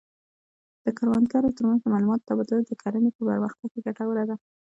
د کروندګرو ترمنځ د معلوماتو تبادله د کرنې په پرمختګ کې ګټوره ده.